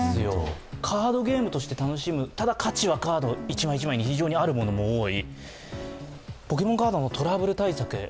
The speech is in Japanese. カードゲームとして楽しむただ価値はカード、一枚一枚、非常にあるものが多い。